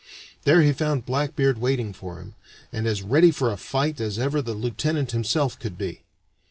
There he found Blackbeard waiting for him, and as ready for a fight as ever the lieutenant himself could be.